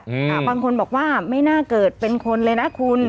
อ่าบางคนบอกว่าไม่น่าเกิดเป็นคนเลยนะคุณ